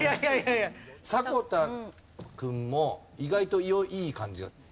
迫田君も意外といい感じだった。